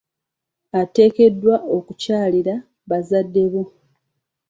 Oteekeddwa okukyalira bazadde bo.